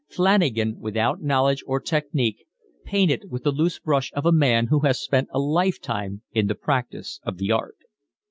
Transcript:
Flanagan, without knowledge or technique, painted with the loose brush of a man who has spent a lifetime in the practice of the art.